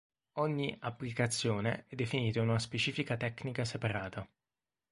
Ogni "applicazione" è definita in una specifica tecnica separata.